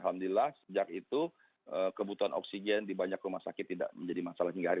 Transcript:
alhamdulillah sejak itu kebutuhan oksigen di banyak rumah sakit tidak menjadi masalah hingga hari ini